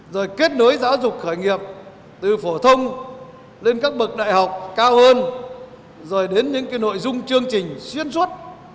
rồi kết nối giáo dục khởi nghiệp từ phổ thông lên các bậc đại học cao hơn rồi đến những nội dung chương trình xuyên suốt